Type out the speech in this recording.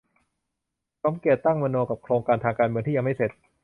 สมเกียรติ ตั้งนโม กับโครงการทางการเมืองที่ยังไม่เสร็จ